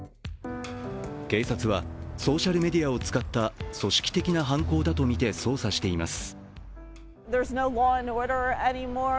警察はソーシャルメディアを使った組織的な犯行だとみて捜査しています。